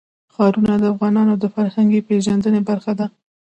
ښارونه د افغانانو د فرهنګي پیژندنې برخه ده.